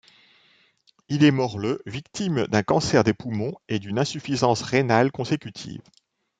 Il est mort le victime d'un cancer des poumons et d'une insuffisance rénale consécutive.